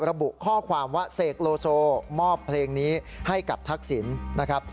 ระบุข้อความว่าเสกโลโซมอบเพลงนี้ให้กับทักษิณนะครับ